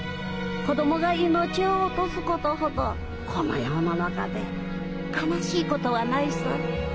子供が命を落とすことほどこの世の中で悲しいことはないさ。